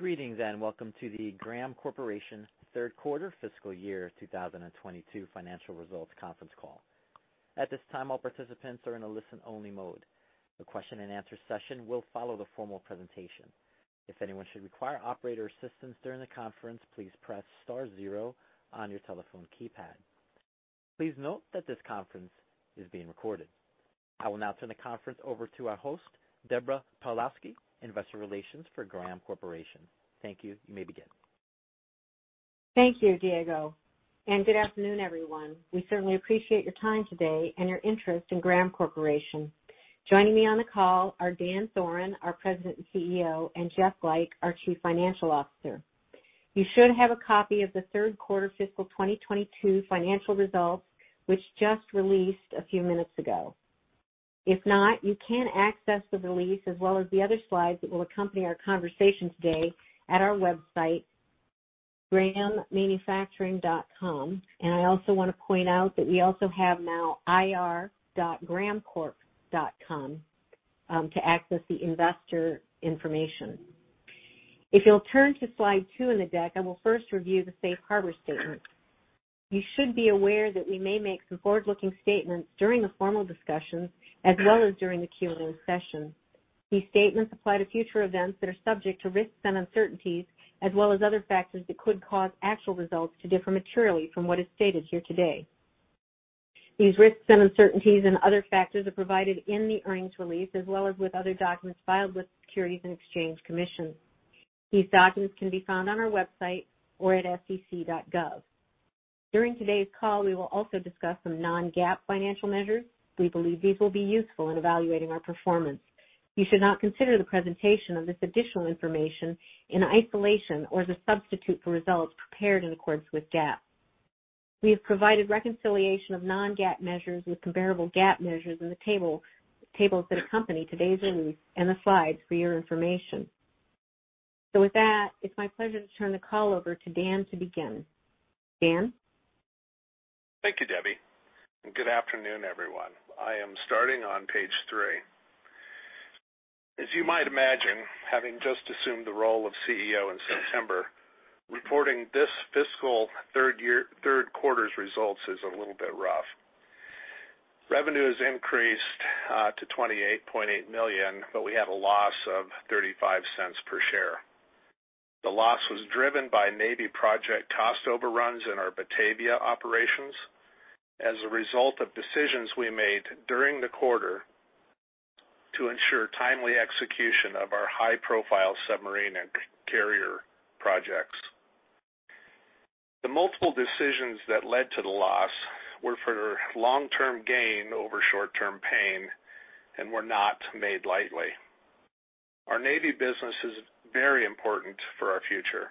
Greetings, and welcome to the Graham Corporation Third Quarter fiscal year 2022 financial results conference call. At this time, all participants are in a listen-only mode. The question and answer session will follow the formal presentation. If anyone should require operator assistance during the conference, please press star zero on your telephone keypad. Please note that this conference is being recorded. I will now turn the conference over to our host, Deborah Pawlowski, Investor Relations for Graham Corporation. Thank you. You may begin. Thank you, Diego, and good afternoon, everyone. We certainly appreciate your time today and your interest in Graham Corporation. Joining me on the call are Dan Thoren, our President and CEO, and Jeff Gleick, our Chief Financial Officer. You should have a copy of the third quarter fiscal 2022 financial results, which just released a few minutes ago. If not, you can access the release as well as the other slides that will accompany our conversation today at our website, grahamcorp.com. I also want to point out that we also have now ir.grahamcorp.com to access the investor information. If you'll turn to slide two in the deck, I will first review the safe harbor statement. You should be aware that we may make some forward-looking statements during the formal discussions as well as during the Q&A session. These statements apply to future events that are subject to risks and uncertainties as well as other factors that could cause actual results to differ materially from what is stated here today. These risks and uncertainties and other factors are provided in the earnings release as well as with other documents filed with the Securities and Exchange Commission. These documents can be found on our website or at sec.gov. During today's call, we will also discuss some non-GAAP financial measures. We believe these will be useful in evaluating our performance. You should not consider the presentation of this additional information in isolation or as a substitute for results prepared in accordance with GAAP. We have provided reconciliation of non-GAAP measures with comparable GAAP measures in the tables that accompany today's release and the slides for your information. With that, it's my pleasure to turn the call over to Dan to begin. Dan? Thank you, Debbie, and good afternoon, everyone. I am starting on page three. As you might imagine, having just assumed the role of CEO in September, reporting this fiscal third year, third quarter's results is a little bit rough. Revenue has increased to $28.8 million, but we had a loss of $0.35 per share. The loss was driven by Navy project cost overruns in our Batavia operations as a result of decisions we made during the quarter to ensure timely execution of our high-profile submarine and carrier projects. The multiple decisions that led to the loss were for long-term gain over short-term pain and were not made lightly. Our Navy business is very important for our future.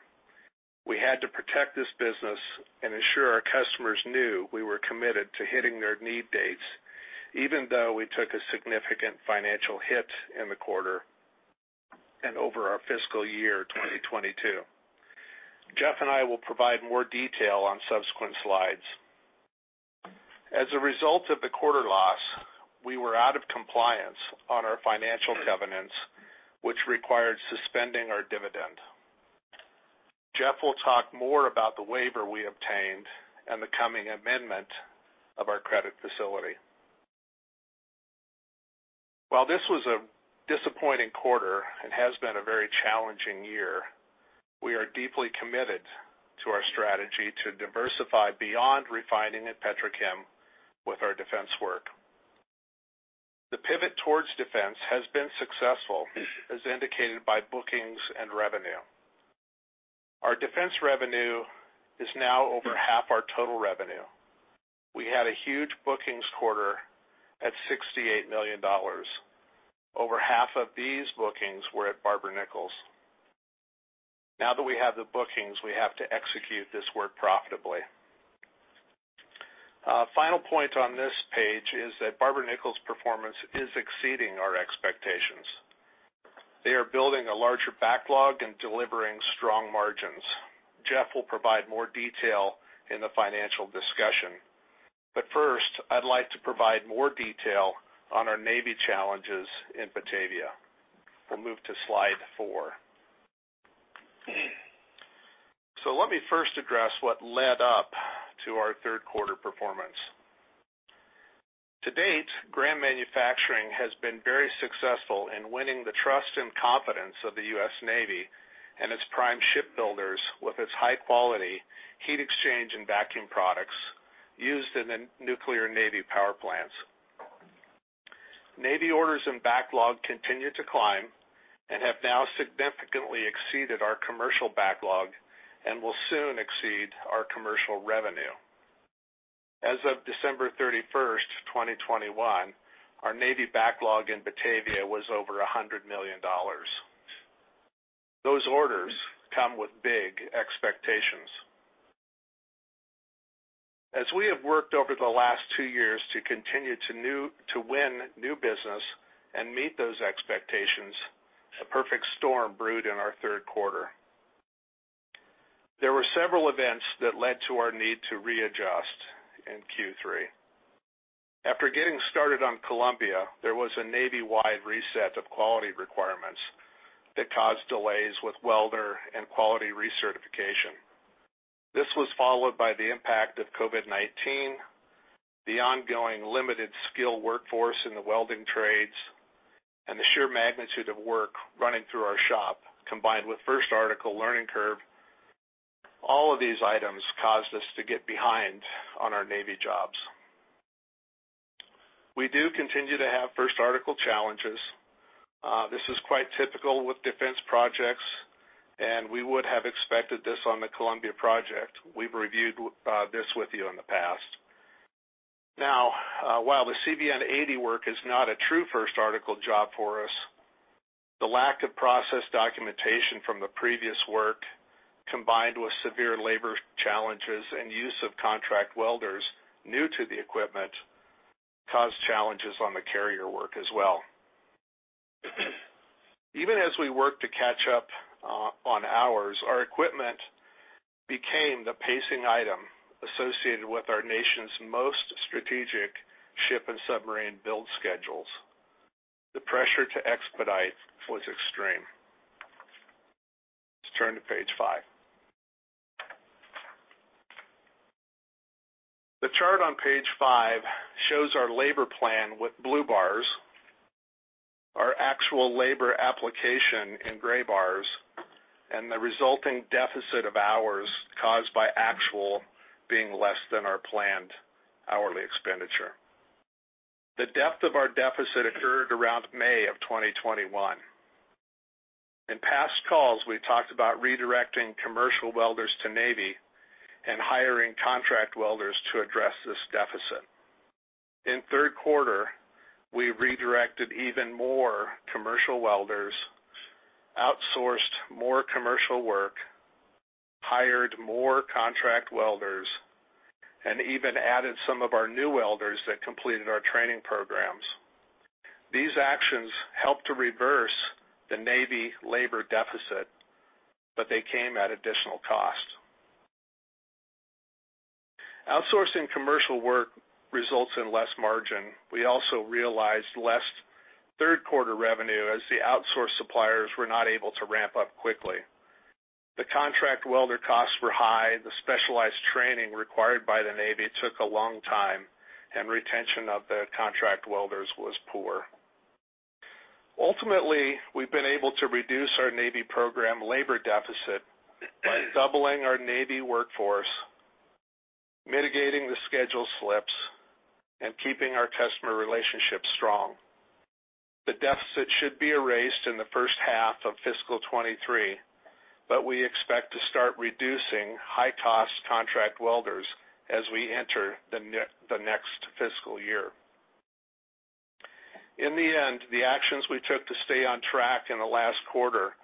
We had to protect this business and ensure our customers knew we were committed to hitting their need dates, even though we took a significant financial hit in the quarter and over our fiscal year 2022. Jeff and I will provide more detail on subsequent slides. As a result of the quarter loss, we were out of compliance on our financial covenants, which required suspending our dividend. Jeff will talk more about the waiver we obtained and the coming amendment of our credit facility. While this was a disappointing quarter and has been a very challenging year, we are deeply committed to our strategy to diversify beyond refining at PetraChem with our defense work. The pivot towards defense has been successful as indicated by bookings and revenue. Our defense revenue is now over half our total revenue. We had a huge bookings quarter at $68 million. Over half of these bookings were at Barber-Nichols. Now that we have the bookings, we have to execute this work profitably. Final point on this page is that Barber-Nichols' performance is exceeding our expectations. They are building a larger backlog and delivering strong margins. Jeff will provide more detail in the financial discussion. First, I'd like to provide more detail on our Navy challenges in Batavia. We'll move to slide four. Let me first address what led up to our third quarter performance. To date, Graham Manufacturing has been very successful in winning the trust and confidence of the U.S. Navy and its prime shipbuilders with its high-quality heat exchange and vacuum products used in the nuclear Navy power plants. Navy orders and backlog continue to climb and have now significantly exceeded our commercial backlog and will soon exceed our commercial revenue. As of December 31, 2021, our Navy backlog in Batavia was over $100 million. Those orders come with big expectations. As we have worked over the last two years to win new business and meet those expectations, a perfect storm brewed in our third quarter. Several events that led to our need to readjust in Q3. After getting started on Columbia, there was a Navy-wide reset of quality requirements that caused delays with welder and quality recertification. This was followed by the impact of COVID-19, the ongoing limited skill workforce in the welding trades, and the sheer magnitude of work running through our shop, combined with first article learning curve. All of these items caused us to get behind on our Navy jobs. We do continue to have first article challenges. This is quite typical with defense projects, and we would have expected this on the Columbia project. We've reviewed this with you in the past. Now, while the CVN-80 work is not a true first article job for us, the lack of process documentation from the previous work, combined with severe labor challenges and use of contract welders new to the equipment, caused challenges on the carrier work as well. Even as we work to catch up on hours, our equipment became the pacing item associated with our nation's most strategic ship and submarine build schedules. The pressure to expedite was extreme. Let's turn to page five. The chart on page five shows our labor plan with blue bars, our actual labor application in gray bars, and the resulting deficit of hours caused by actual being less than our planned hourly expenditure. The depth of our deficit occurred around May 2021. In past calls, we talked about redirecting commercial welders to Navy and hiring contract welders to address this deficit. In third quarter, we redirected even more commercial welders, outsourced more commercial work, hired more contract welders, and even added some of our new welders that completed our training programs. These actions helped to reverse the Navy labor deficit, but they came at additional cost. Outsourcing commercial work results in less margin. We also realized less third quarter revenue as the outsource suppliers were not able to ramp up quickly. The contract welder costs were high. The specialized training required by the Navy took a long time, and retention of the contract welders was poor. Ultimately, we've been able to reduce our Navy program labor deficit by doubling our Navy workforce, mitigating the schedule slips, and keeping our customer relationships strong. The deficit should be erased in the first half of fiscal 2023, but we expect to start reducing high-cost contract welders as we enter the next fiscal year. In the end, the actions we took to stay on track in the last quarter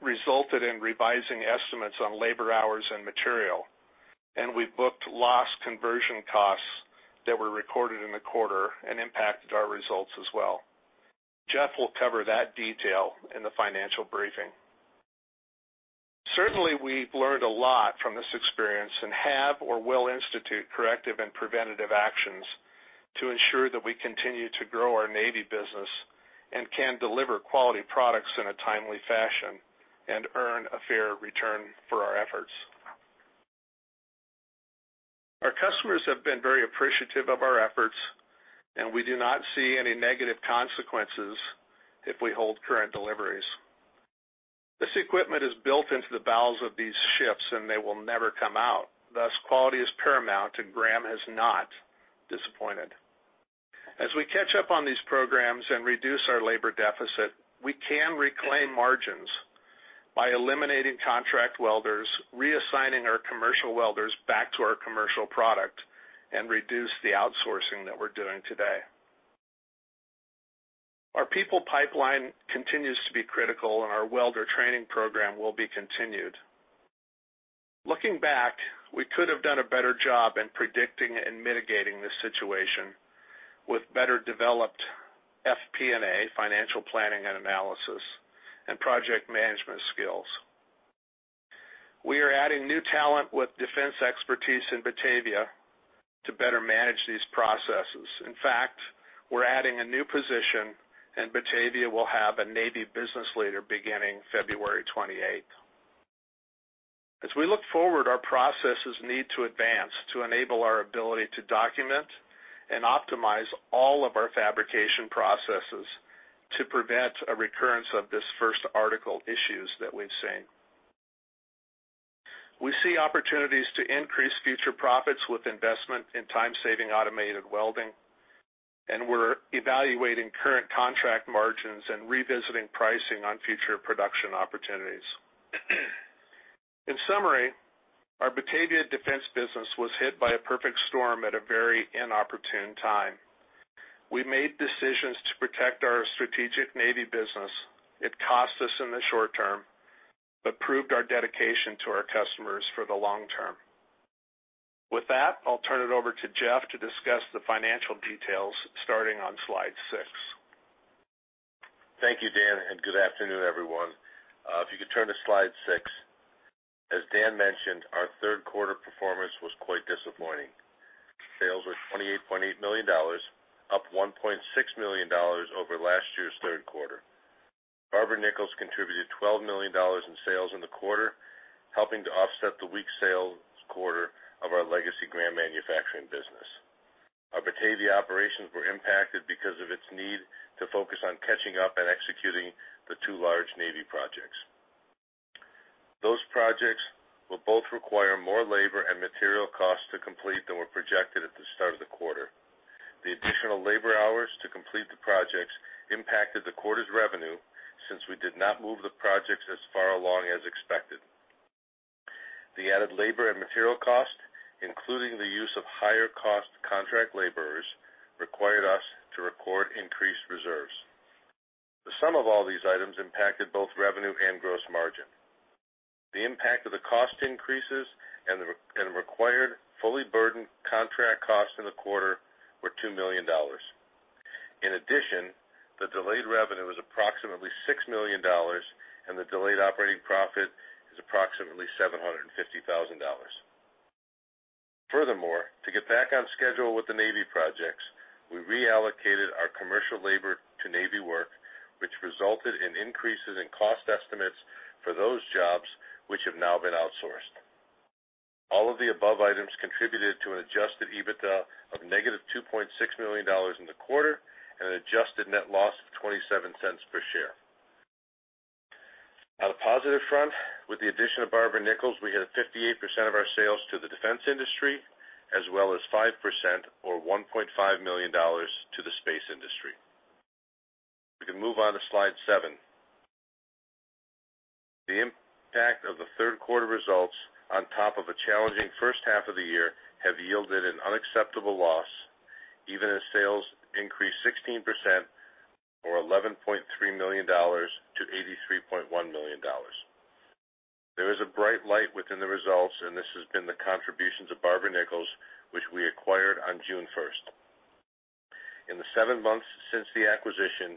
resulted in revising estimates on labor hours and material, and we booked loss conversion costs that were recorded in the quarter and impacted our results as well. Jeff will cover that detail in the financial briefing. Certainly, we've learned a lot from this experience and have or will institute corrective and preventative actions to ensure that we continue to grow our Navy business and can deliver quality products in a timely fashion and earn a fair return for our efforts. Our customers have been very appreciative of our efforts, and we do not see any negative consequences if we hold current deliveries. This equipment is built into the bowels of these ships, and they will never come out. Thus, quality is paramount, and Graham has not disappointed. As we catch up on these programs and reduce our labor deficit, we can reclaim margins by eliminating contract welders, reassigning our commercial welders back to our commercial product, and reduce the outsourcing that we're doing today. Our people pipeline continues to be critical, and our welder training program will be continued. Looking back, we could have done a better job in predicting and mitigating this situation with better developed FP&A, financial planning and analysis, and project management skills. We are adding new talent with defense expertise in Batavia to better manage these processes. In fact, we're adding a new position, and Batavia will have a Navy business leader beginning February twenty-eighth. As we look forward, our processes need to advance to enable our ability to document and optimize all of our fabrication processes to prevent a recurrence of this first article issues that we've seen. We see opportunities to increase future profits with investment in time-saving automated welding, and we're evaluating current contract margins and revisiting pricing on future production opportunities. In summary, our Batavia Defense business was hit by a perfect storm at a very inopportune time. We made decisions to protect our strategic Navy business. It cost us in the short term, but proved our dedication to our customers for the long term. With that, I'll turn it over to Jeff to discuss the financial details starting on slide 6. Thank you, Dan, and good afternoon, everyone. If you could turn to slide six. As Dan mentioned, our third quarter performance was quite disappointing. Sales were $28.8 million, up $1.6 million over last year's third quarter. Barber-Nichols contributed $12 million in sales in the quarter, helping to offset the weak sales quarter of our legacy Graham manufacturing business. Our Batavia operations were impacted because of its need to focus on catching up and executing the two large Navy projects. Those projects will both require more labor and material costs to complete than were projected at the start of the quarter. The additional labor hours to complete the projects impacted the quarter's revenue since we did not move the projects as far along as expected. The added labor and material costs, including the use of higher-cost contract laborers, required us to record increased reserves. The sum of all these items impacted both revenue and gross margin. The impact of the cost increases and the revised and required fully burdened contract costs in the quarter were $2 million. In addition, the delayed revenue was approximately $6 million, and the delayed operating profit is approximately $750,000. Furthermore, to get back on schedule with the Navy projects, we reallocated our commercial labor to Navy work, which resulted in increases in cost estimates for those jobs which have now been outsourced. All of the above items contributed to an adjusted EBITDA of -$2.6 million in the quarter and an adjusted net loss of $0.27 per share. On a positive front, with the addition of Barber-Nichols, we had 58% of our sales to the defense industry as well as 5% or $1.5 million to the space industry. If we can move on to slide 7. The impact of the third quarter results on top of a challenging first half of the year have yielded an unacceptable loss, even as sales increased 16% or $11.3 million to $83.1 million. There is a bright light within the results, and this has been the contributions of Barber-Nichols, which we acquired on June first. In the seven months since the acquisition,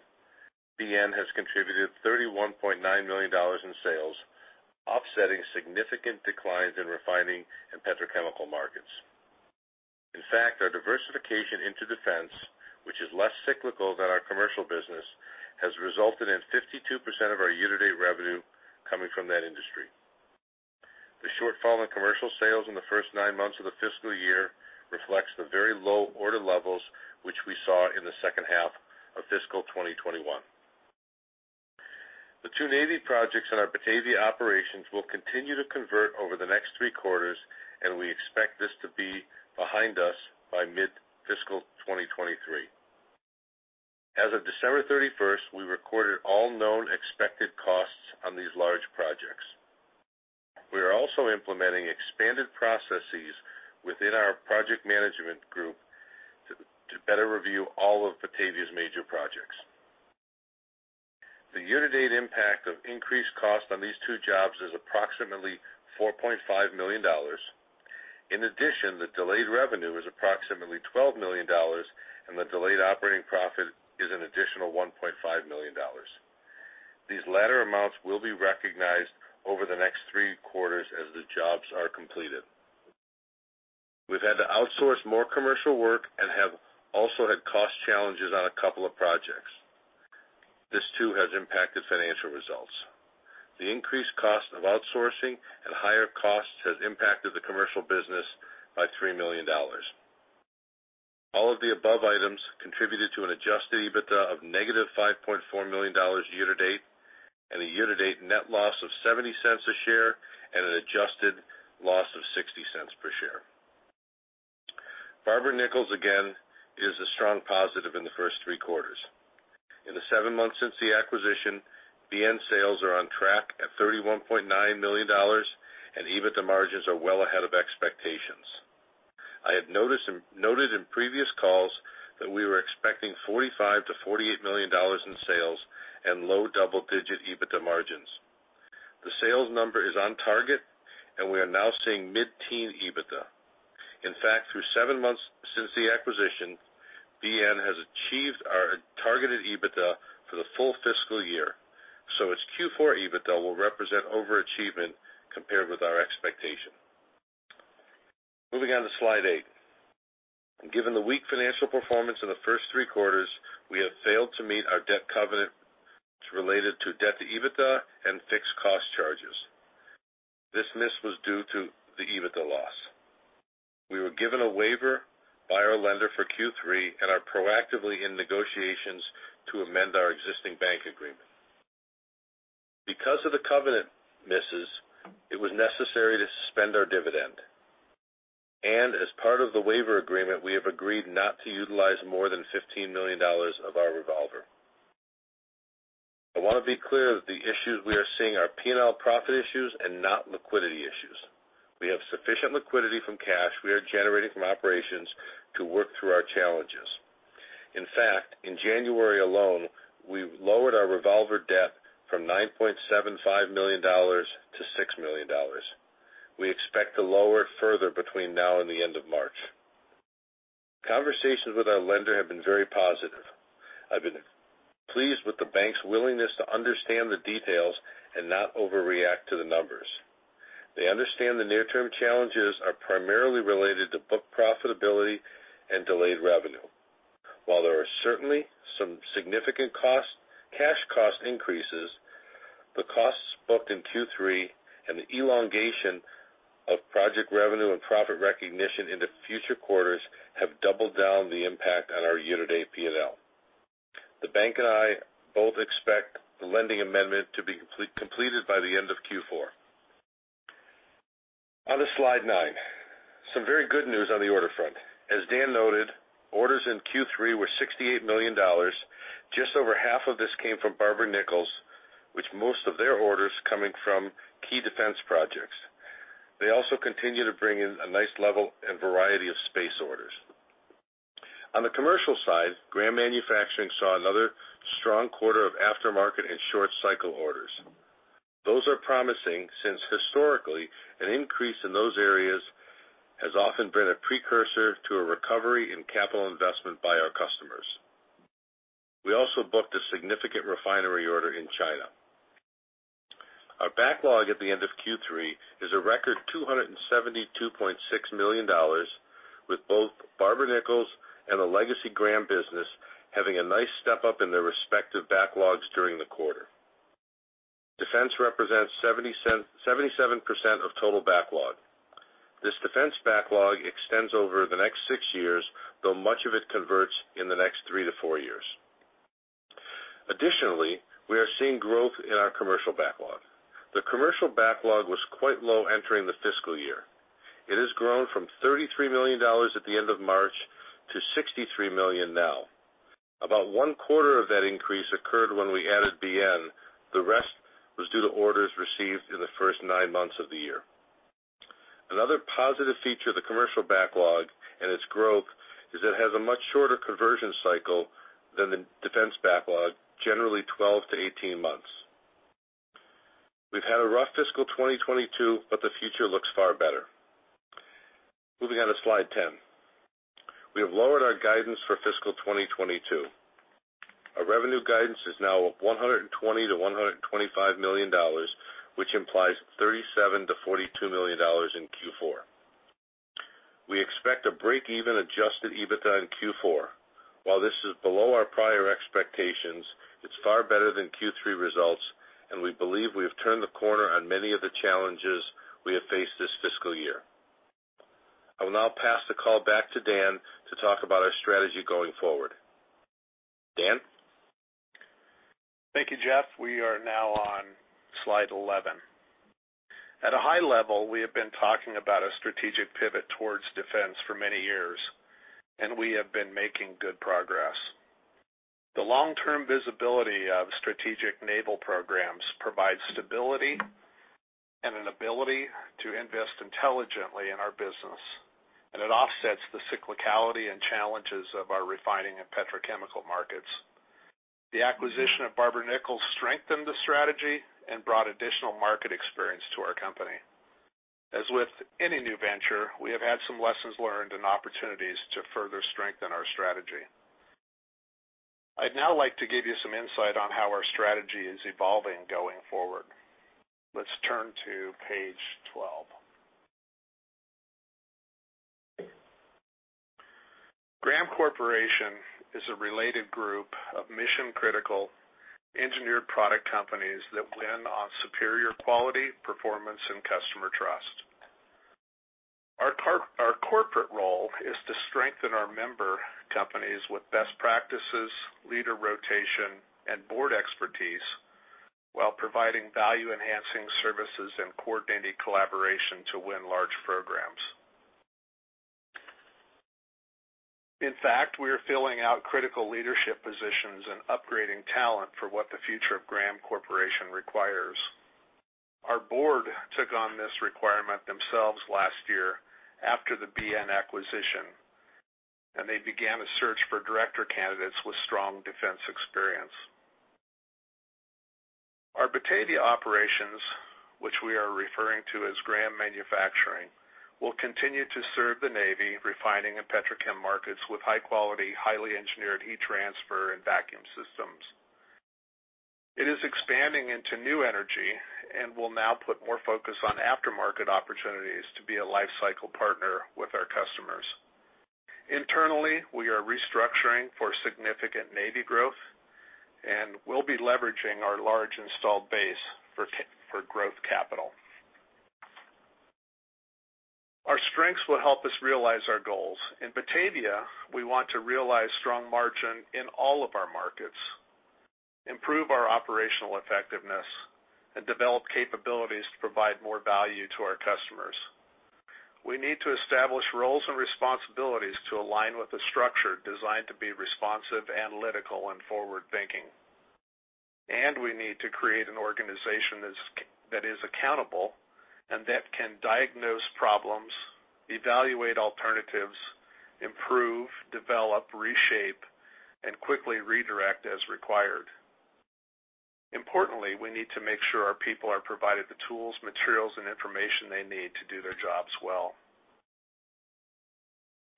BN has contributed $31.9 million in sales, offsetting significant declines in refining and petrochemical markets. In fact, our diversification into defense, which is less cyclical than our commercial business, has resulted in 52% of our year-to-date revenue coming from that industry. The shortfall in commercial sales in the first nine months of the fiscal year reflects the very low order levels which we saw in the second half of fiscal 2021. The two Navy projects in our Batavia operations will continue to convert over the next three quarters, and we expect this to be behind us by mid-fiscal 2023. As of December 31, we recorded all known expected costs on these large projects. We are also implementing expanded processes within our project management group to better review all of Batavia's major projects. The year-to-date impact of increased cost on these two jobs is approximately $4.5 million. In addition, the delayed revenue is approximately $12 million, and the delayed operating profit is an additional $1.5 million. These latter amounts will be recognized over the next three quarters as the jobs are completed. We've had to outsource more commercial work and have also had cost challenges on a couple of projects. This too has impacted financial results. The increased cost of outsourcing and higher costs has impacted the commercial business by $3 million. All of the above items contributed to an adjusted EBITDA of -$5.4 million year-to-date and a year-to-date net loss of $0.70 per share and an adjusted loss of $0.60 per share. Barber-Nichols, again, is a strong positive in the first three quarters. In the 7 months since the acquisition, BN sales are on track at $31.9 million, and EBITDA margins are well ahead of expectations. Noted in previous calls that we were expecting $45 million-$48 million in sales and low double-digit EBITDA margins. The sales number is on target, and we are now seeing mid-teen EBITDA. In fact, through 7 months since the acquisition, BN has achieved our targeted EBITDA for the full fiscal year, so its Q4 EBITDA will represent overachievement compared with our expectation. Moving on to slide 8. Given the weak financial performance in the first three quarters, we have failed to meet our debt covenants related to debt to EBITDA and fixed cost charges. This miss was due to the EBITDA loss. We were given a waiver by our lender for Q3 and are proactively in negotiations to amend our existing bank agreement. Because of the covenant misses, it was necessary to suspend our dividend. As part of the waiver agreement, we have agreed not to utilize more than $15 million of our revolver. I want to be clear that the issues we are seeing are P&L profit issues and not liquidity issues. We have sufficient liquidity from cash we are generating from operations to work through our challenges. In fact, in January alone, we've lowered our revolver debt from $9.75 million to $6 million. We expect to lower it further between now and the end of March. Conversations with our lender have been very positive. I've been pleased with the bank's willingness to understand the details and not overreact to the numbers. They understand the near-term challenges are primarily related to book profitability and delayed revenue. While there are certainly some significant cash cost increases, the costs booked in Q3 and the elongation of project revenue and profit recognition into future quarters have doubled down the impact on our unit APL. The bank and I both expect the lending amendment to be completed by the end of Q4. On to slide 9. Some very good news on the order front. As Dan noted, orders in Q3 were $68 million. Just over half of this came from Barber-Nichols, with most of their orders coming from key defense projects. They also continue to bring in a nice level and variety of space orders. On the commercial side, Graham Manufacturing saw another strong quarter of aftermarket and short-cycle orders. Those are promising since historically, an increase in those areas has often been a precursor to a recovery in capital investment by our customers. We also booked a significant refinery order in China. Our backlog at the end of Q3 is a record $272.6 million, with both Barber-Nichols and the legacy Graham business having a nice step up in their respective backlogs during the quarter. Defense represents 77% of total backlog. This defense backlog extends over the next six years, though much of it converts in the next three to four years. Additionally, we are seeing growth in our commercial backlog. The commercial backlog was quite low entering the fiscal year. It has grown from $33 million at the end of March to $63 million now. About one-quarter of that increase occurred when we added BN. The rest was due to orders received in the first 9 months of the year. Another positive feature of the commercial backlog and its growth is it has a much shorter conversion cycle than the defense backlog, generally 12-18 months. We've had a rough fiscal 2022, but the future looks far better. Moving on to slide 10. We have lowered our guidance for fiscal 2022. Our revenue guidance is now $120 million-$125 million, which implies $37 million-$42 million in Q4. We expect to break even adjusted EBITDA in Q4. While this is below our prior expectations, it's far better than Q3 results, and we believe we have turned the corner on many of the challenges we have faced this fiscal year. I will now pass the call back to Dan to talk about our strategy going forward. Dan? Thank you, Jeff. We are now on slide 11. At a high level, we have been talking about a strategic pivot towards defense for many years, and we have been making good progress. The long-term visibility of strategic naval programs provides stability and an ability to invest intelligently in our business, and it offsets the cyclicality and challenges of our refining and petrochemical markets. The acquisition of Barber-Nichols strengthened the strategy and brought additional market experience to our company. As with any new venture, we have had some lessons learned and opportunities to further strengthen our strategy. I'd now like to give you some insight on how our strategy is evolving going forward. Let's turn to page 12. Graham Corporation is a related group of mission-critical engineered product companies that win on superior quality, performance, and customer trust. Our corporate role is to strengthen our member companies with best practices, leader rotation, and board expertise while providing value-enhancing services and coordinated collaboration to win large programs. In fact, we are filling out critical leadership positions and upgrading talent for what the future of Graham Corporation requires. Our board took on this requirement themselves last year after the Barber-Nichols acquisition, and they began a search for director candidates with strong defense experience. Our Batavia operations, which we are referring to as Graham Corporation, will continue to serve the Navy refining and petrochem markets with high-quality, highly engineered heat transfer and vacuum systems. It is expanding into new energy and will now put more focus on aftermarket opportunities to be a life cycle partner with our customers. Internally, we are restructuring for significant Navy growth and will be leveraging our large installed base for growth capital. Our strengths will help us realize our goals. In Batavia, we want to realize strong margin in all of our markets, improve our operational effectiveness, and develop capabilities to provide more value to our customers. We need to establish roles and responsibilities to align with a structure designed to be responsive, analytical, and forward-thinking. We need to create an organization that is accountable and that can diagnose problems, evaluate alternatives, improve, develop, reshape, and quickly redirect as required. Importantly, we need to make sure our people are provided the tools, materials, and information they need to do their jobs well.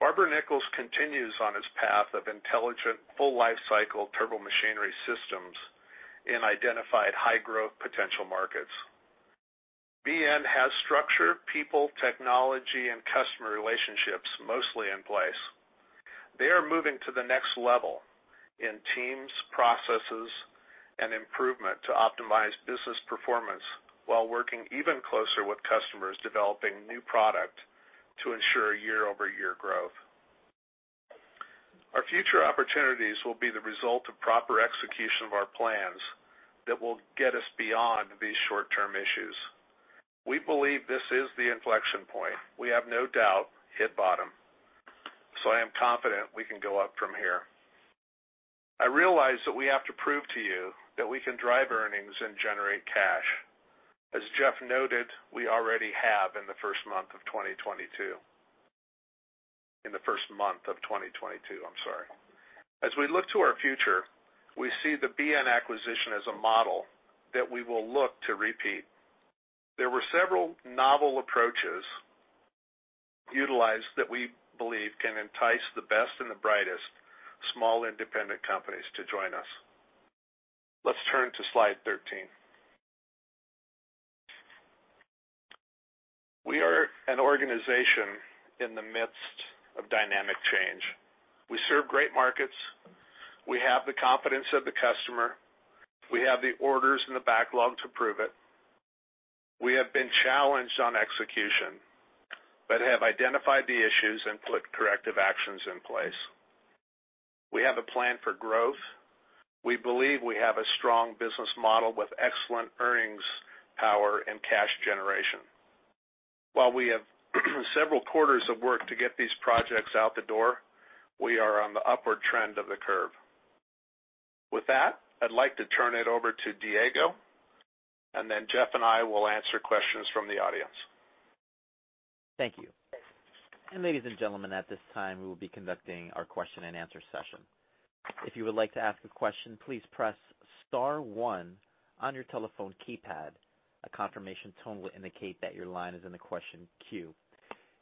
Barber-Nichols continues on its path of intelligent full life cycle turbomachinery systems in identified high growth potential markets. Barber-Nichols has structure, people, technology, and customer relationships mostly in place. They are moving to the next level in teams, processes, and improvement to optimize business performance while working even closer with customers developing new product to ensure year-over-year growth. Our future opportunities will be the result of proper execution of our plans that will get us beyond these short-term issues. We believe this is the inflection point. We have no doubt hit bottom, so I am confident we can go up from here. I realize that we have to prove to you that we can drive earnings and generate cash. As Jeff noted, we already have in the first month of 2022. I'm sorry. As we look to our future, we see the Barber-Nichols acquisition as a model that we will look to repeat. There were several novel approaches utilized that we believe can entice the best and the brightest small independent companies to join us. Let's turn to slide 13. We are an organization in the midst of dynamic change. We serve great markets. We have the confidence of the customer. We have the orders and the backlog to prove it. We have been challenged on execution, but have identified the issues and put corrective actions in place. We have a plan for growth. We believe we have a strong business model with excellent earnings power and cash generation. While we have several quarters of work to get these projects out the door, we are on the upward trend of the curve. With that, I'd like to turn it over to Diego, and then Jeff and I will answer questions from the audience. Thank you. Ladies and gentlemen, at this time we will be conducting our question-and-answer session. If you would like to ask a question, please press star one on your telephone keypad. A confirmation tone will indicate that your line is in the question queue.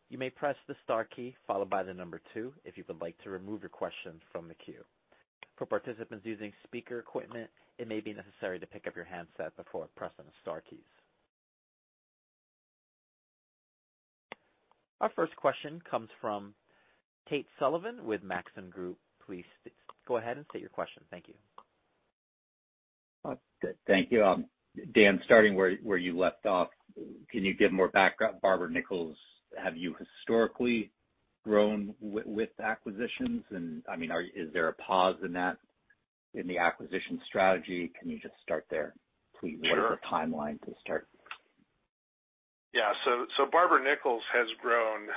You may press the star key followed by the number two if you would like to remove your question from the queue. For participants using speaker equipment, it may be necessary to pick up your handset before pressing the star keys. Our first question comes from Tate Sullivan with Maxim Group. Please go ahead and state your question. Thank you. Thank you. Dan, starting where you left off, can you give more background? Barber-Nichols, have you historically grown with acquisitions? I mean, is there a pause in that, in the acquisition strategy? Can you just start there, please? Sure. What is the timeline to start? Barber-Nichols has grown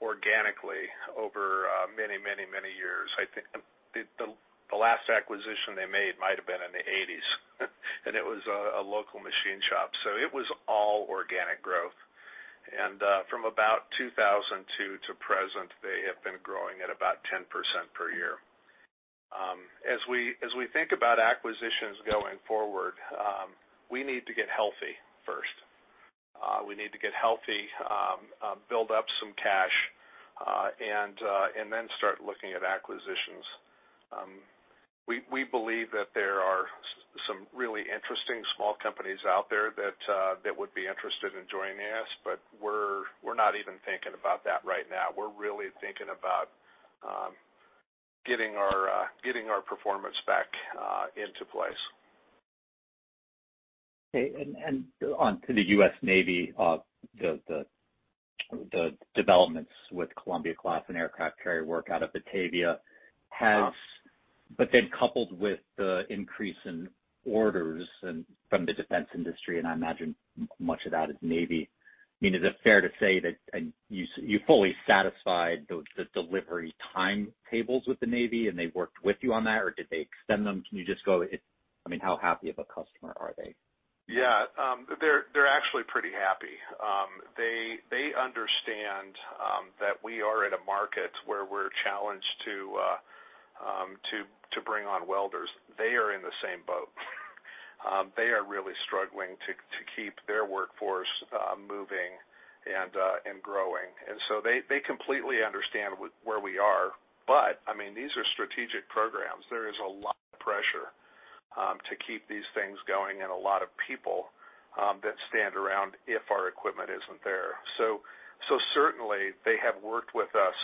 organically over many years. I think the last acquisition they made might have been in the eighties, and it was a local machine shop, so it was all organic growth. From about 2002 to present, they have been growing at about 10% per year. As we think about acquisitions going forward, we need to get healthy first. We need to get healthy, build up some cash, and then start looking at acquisitions. We believe that there are some really interesting small companies out there that would be interested in joining us, but we're not even thinking about that right now. We're really thinking about getting our performance back into place. On to the U.S. Navy, the developments with Columbia-class and aircraft carrier work out of Batavia has Yeah. Coupled with the increase in orders and from the defense industry, and I imagine much of that is Navy, I mean, is it fair to say that, and you fully satisfied the delivery timetables with the Navy and they worked with you on that, or did they extend them? I mean, how happy of a customer are they? Yeah.They're actually pretty happy. They understand that we are in a market where we're challenged to bring on welders. They are in the same boat. They are really struggling to keep their workforce moving and growing. They completely understand where we are. I mean, these are strategic programs. There is a lot of pressure to keep these things going and a lot of people that stand around if our equipment isn't there. Certainly they have worked with us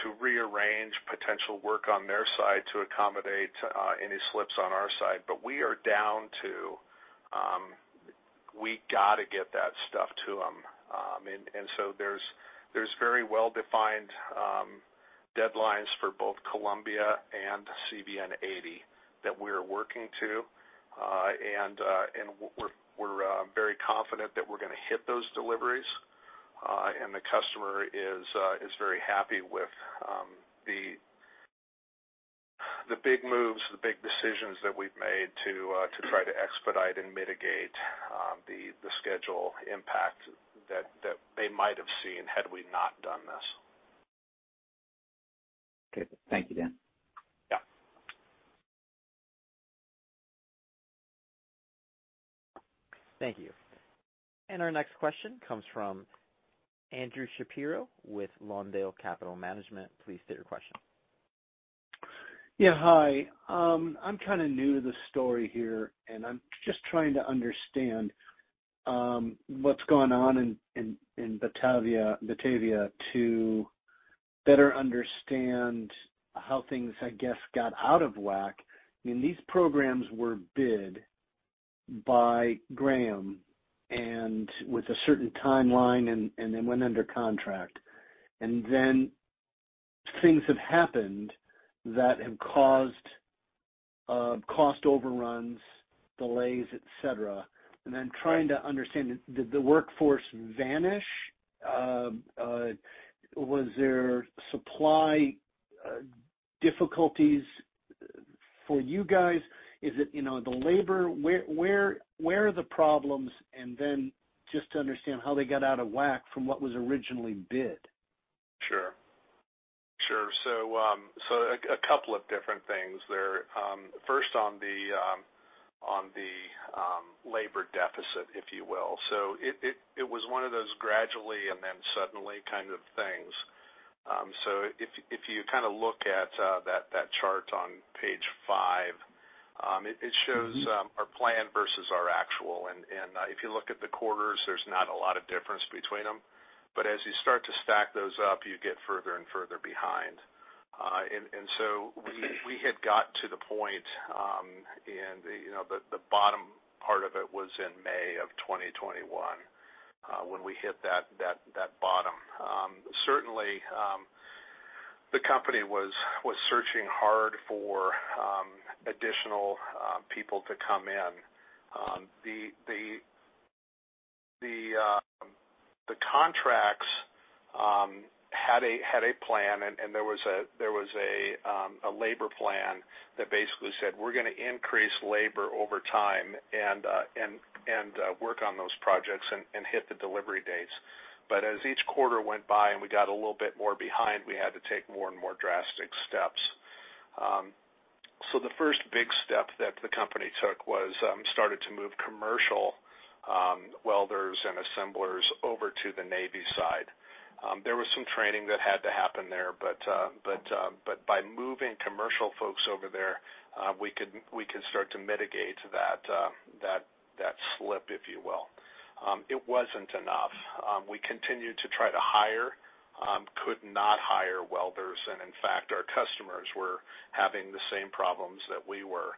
to rearrange potential work on their side to accommodate any slips on our side. We are down to we got to get that stuff to them. There's very well-defined deadlines for both Columbia and CVN-80 that we are working to. We're very confident that we're gonna hit those deliveries. The customer is very happy with the big moves, the big decisions that we've made to try to expedite and mitigate the schedule impact that they might have seen had we not done this. Okay. Thank you, Dan. Yeah. Thank you. Our next question comes from Andrew Shapiro with Lawndale Capital Management. Please state your question. Hi. I'm kind of new to the story here, and I'm just trying to understand what's gone on in Batavia to better understand how things, I guess, got out of whack. I mean, these programs were bid by Graham and with a certain timeline and then went under contract. Then things have happened that have caused cost overruns, delays, et cetera. I'm trying to understand, did the workforce vanish? Was there supply difficulties for you guys? Is it, you know, the labor? Where are the problems? Just to understand how they got out of whack from what was originally bid. Sure. A couple of different things there. First on the labor deficit, if you will. It was one of those gradually and then suddenly kind of things. If you kind of look at that chart on page five, it shows our plan versus our actual. If you look at the quarters, there's not a lot of difference between them. But as you start to stack those up, you get further and further behind. We had got to the point, you know, the bottom part of it was in May 2021, when we hit that bottom. Certainly, the company was searching hard for additional people to come in. The contracts had a plan, and there was a labor plan that basically said, we're gonna increase labor over time and work on those projects and hit the delivery dates. As each quarter went by and we got a little bit more behind, we had to take more and more drastic steps. The first big step that the company took was started to move commercial welders and assemblers over to the Navy side. There was some training that had to happen there, but by moving commercial folks over there, we could start to mitigate that slip, if you will. It wasn't enough. We continued to try to hire, could not hire welders, and in fact, our customers were having the same problems that we were.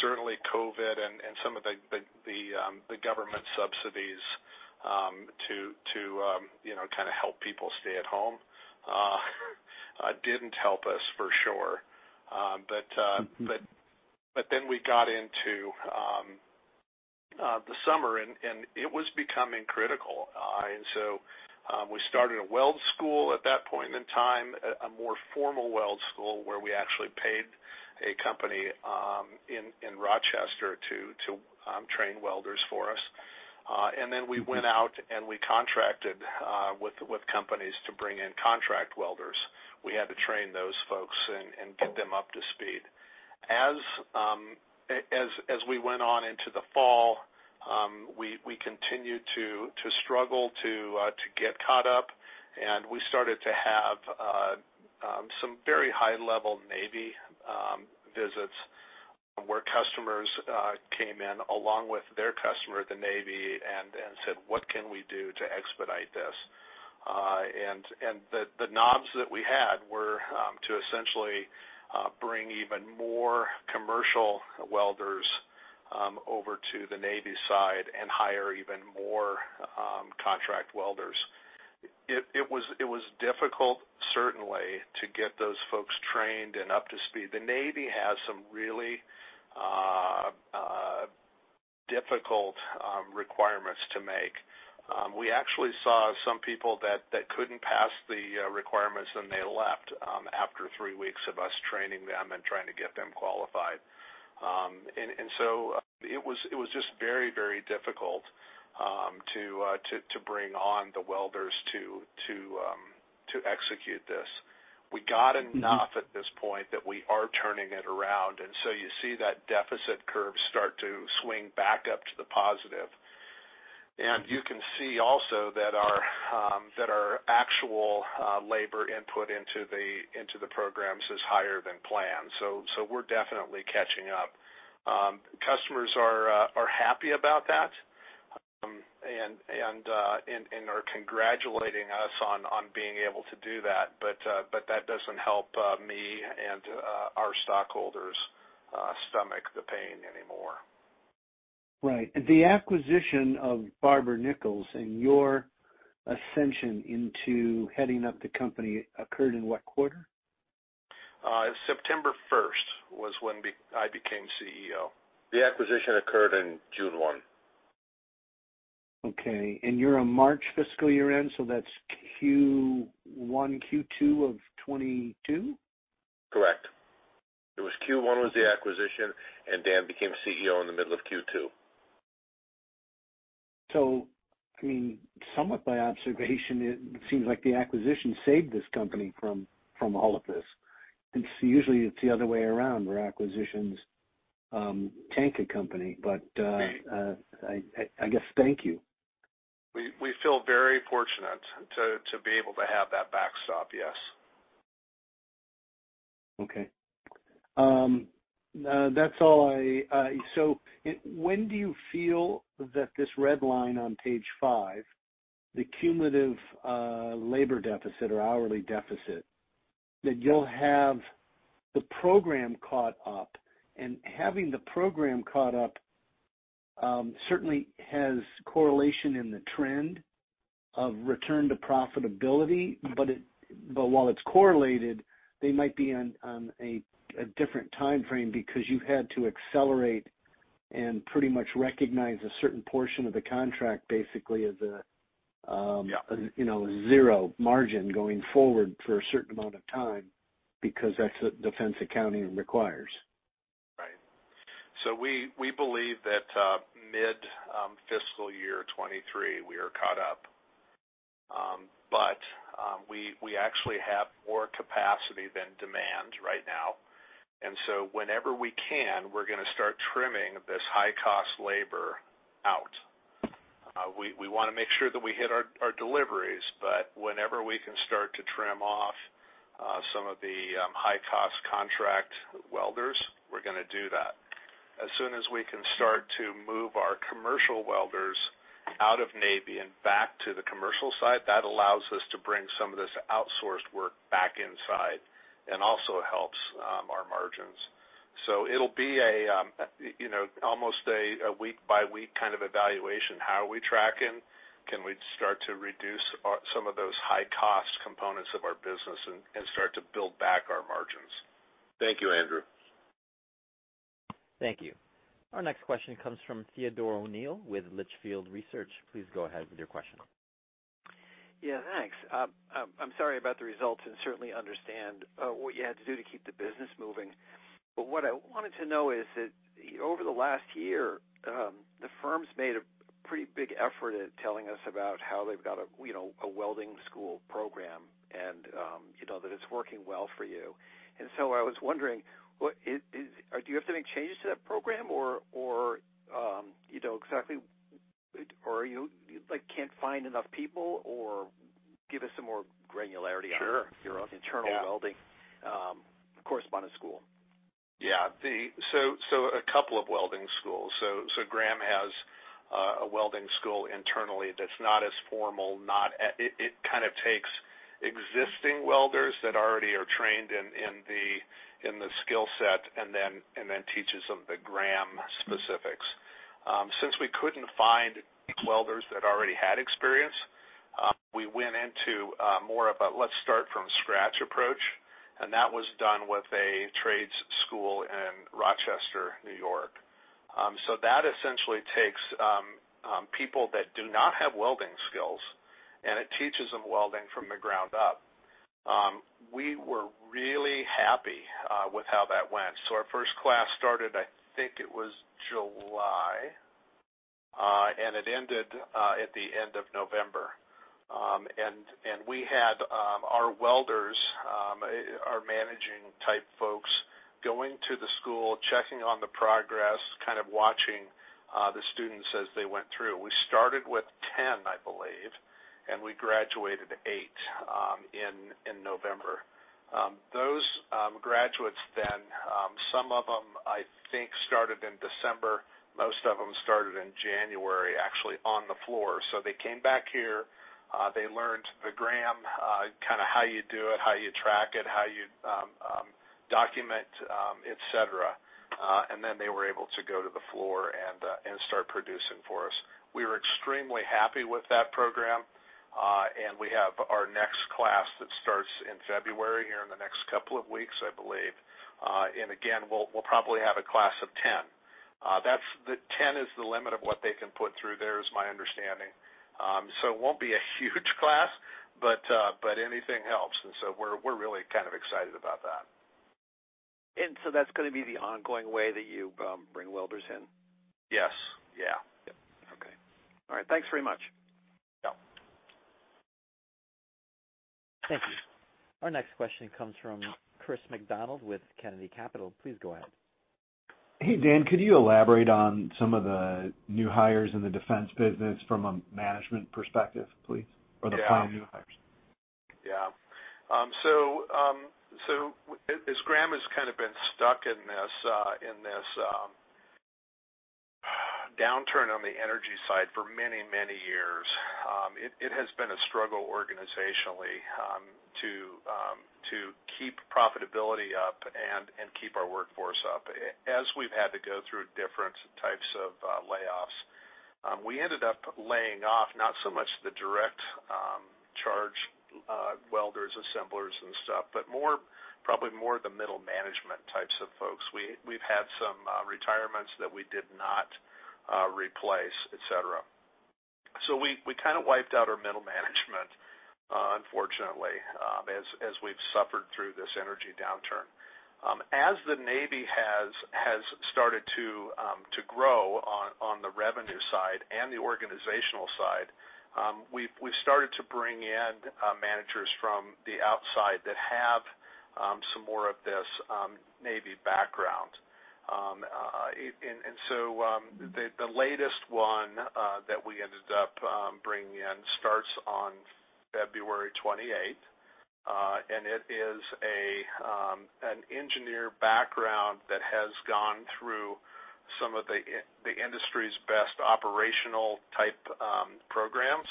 Certainly COVID and some of the government subsidies to you know kind of help people stay at home didn't help us for sure. Mm-hmm. We got into the summer and it was becoming critical. We started a weld school at that point in time, a more formal weld school where we actually paid a company in Rochester to train welders for us. We went out and we contracted with companies to bring in contract welders. We had to train those folks and get them up to speed. As we went on into the fall, we continued to struggle to get caught up, and we started to have some very high-level Navy visits where customers came in along with their customer, the Navy, and said, "What can we do to expedite this?" The knobs that we had were to essentially bring even more commercial welders over to the Navy side and hire even more contract welders. It was difficult certainly to get those folks trained and up to speed. The Navy has some really difficult requirements to make. We actually saw some people that couldn't pass the requirements, and they left after three weeks of us training them and trying to get them qualified. It was just very, very difficult to bring on the welders to execute this. We got enough at this point that we are turning it around, and you see that deficit curve start to swing back up to the positive. You can see also that our actual labor input into the programs is higher than planned. We're definitely catching up. Customers are happy about that and are congratulating us on being able to do that. That doesn't help me and our stockholders stomach the pain anymore. Right. The acquisition of Barber-Nichols and your ascension into heading up the company occurred in what quarter? September first was when I became CEO. The acquisition occurred in June 1. Okay. You're a March fiscal year end, so that's Q1, Q2 of 2022? Correct. It was Q1, the acquisition, and Dan became CEO in the middle of Q2. I mean, somewhat by observation, it seems like the acquisition saved this company from all of this. It's usually the other way around where acquisitions tank a company. I guess thank you. We feel very fortunate to be able to have that backstop. Yes. Okay. That's all I. When do you feel that this red line on page five, the cumulative labor deficit or hourly deficit, that you'll have the program caught up? Having the program caught up certainly has correlation in the trend of return to profitability. While it's correlated, they might be on a different time frame because you had to accelerate and pretty much recognize a certain portion of the contract basically as a Yeah. You know, zero margin going forward for a certain amount of time because that's what defense accounting requires. Right. We believe that mid fiscal year 2023, we are caught up. We actually have more capacity than demand right now, and whenever we can, we're gonna start trimming this high cost labor out. We wanna make sure that we hit our deliveries, but whenever we can start to trim off some of the high cost contract welders, we're gonna do that. As soon as we can start to move our commercial welders out of Navy and back to the commercial side, that allows us to bring some of this outsourced work back inside and also helps our margins. It'll be a you know, almost a week by week kind of evaluation. How are we tracking? Can we start to reduce some of those high cost components of our business and start to build back our margins? Thank you, Andrew. Thank you. Our next question comes from Theodore O'Neill with Litchfield Hills Research. Please go ahead with your question. Yeah, thanks. I'm sorry about the results and certainly understand what you had to do to keep the business moving. But what I wanted to know is that over the last year, the firm's made a pretty big effort at telling us about how they've got a welding school program and that it's working well for you. I was wondering, do you have to make changes to that program or exactly or are you like can't find enough people? Or give us some more granularity on- Sure. your own internal welding, corresponding school. Yeah. A couple of welding schools. Graham has a welding school internally that's not as formal. It kind of takes existing welders that already are trained in the skill set and then teaches them the Graham specifics. Since we couldn't find welders that already had experience, we went into more of a let's start from scratch approach, and that was done with a trades school in Rochester, New York. That essentially takes people that do not have welding skills, and it teaches them welding from the ground up. We were really happy with how that went. Our first class started, I think it was July, and it ended at the end of November. We had our welders, our managing type folks going to the school, checking on the progress, kind of watching the students as they went through. We started with 10, I believe, and we graduated 8 in November. Those graduates, then, some of them, I think, started in December. Most of them started in January, actually on the floor. They came back here, they learned the Graham, kind of how you do it, how you track it, how you document, et cetera. Then they were able to go to the floor and start producing for us. We were extremely happy with that program, and we have our next class that starts in February, here in the next couple of weeks, I believe. Again, we'll probably have a class of 10. 10 is the limit of what they can put through there is my understanding. It won't be a huge class, but anything helps. We're really kind of excited about that. That's gonna be the ongoing way that you bring welders in? Yes. Yeah. Okay. All right. Thanks very much. Yeah. Thank you. Our next question comes from Christian McDonald with Kennedy Capital. Please go ahead. Hey, Dan, could you elaborate on some of the new hires in the defense business from a management perspective, please? Yeah. the prime new hires? Yeah. As Graham has kind of been stuck in this downturn on the energy side for many years, it has been a struggle organizationally to keep profitability up and keep our workforce up. As we've had to go through different types of layoffs, we ended up laying off not so much the direct charge welders, assemblers and stuff, but more probably the middle management types of folks. We've had some retirements that we did not replace, et cetera. We kind of wiped out our middle management Unfortunately, as we've suffered through this energy downturn, as the Navy has started to grow on the revenue side and the organizational side, we've started to bring in managers from the outside that have some more of this Navy background. The latest one that we ended up bringing in starts on February twenty-eighth. It is an engineering background that has gone through some of the industry's best operational type programs.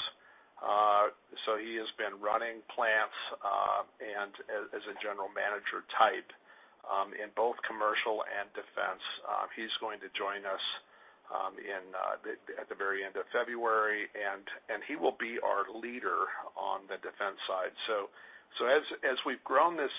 He has been running plants, and as a general manager type in both commercial and defense. He's going to join us at the very end of February, and he will be our leader on the defense side. As we've grown this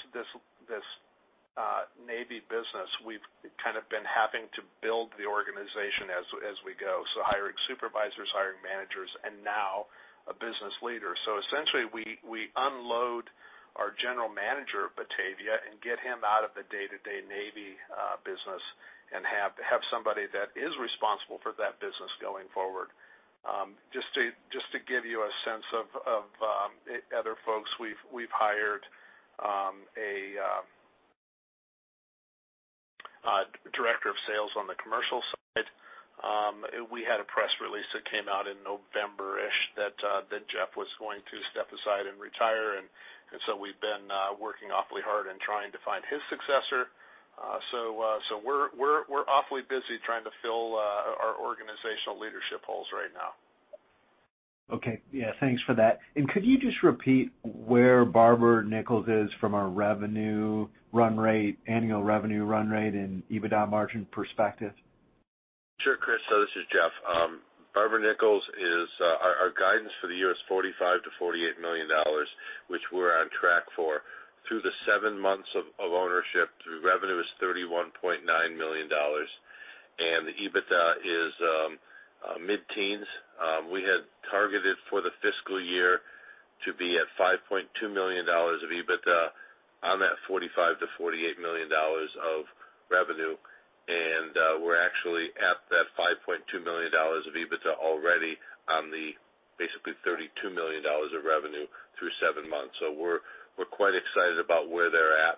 Navy business, we've kind of been having to build the organization as we go. Hiring supervisors, hiring managers, and now a business leader. Essentially, we unload our general manager at Batavia and get him out of the day-to-day Navy business and have somebody that is responsible for that business going forward. Just to give you a sense of other folks, we've hired a director of sales on the commercial side. We had a press release that came out in November-ish that Jeff was going to step aside and retire, and so we've been working awfully hard in trying to find his successor. We're awfully busy trying to fill our organizational leadership holes right now. Okay. Yeah, thanks for that. Could you just repeat where Barber-Nichols is from a revenue run rate, annual revenue run rate, and EBITDA margin perspective? Sure, Chris. This is Jeff. Barber-Nichols is our guidance for the year is $45 million-$48 million, which we're on track for. Through the seven months of ownership, the revenue is $31.9 million, and the EBITDA is mid-teens. We had targeted for the fiscal year to be at $5.2 million of EBITDA on that $45 million-$48 million of revenue. We're actually at that $5.2 million of EBITDA already on the basically $32 million of revenue through seven months. We're quite excited about where they're at.